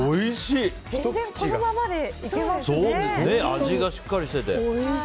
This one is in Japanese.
味がしっかりしてて。